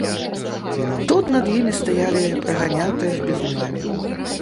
Тут над імі стаялі прыганятыя з бізунамі.